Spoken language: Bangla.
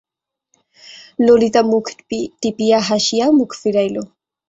ললিতা মুখ টিপিয়া হাসিয়া মুখ ফিরাইল।